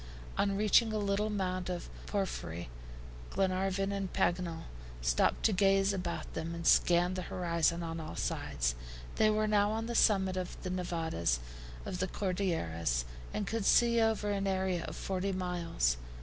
On reaching a little mound of porphyry, Glenarvan and Paganel stopped to gaze about them and scan the horizon on all sides. They were now on the summit of the Nevadas of the Cordilleras, and could see over an area of forty miles.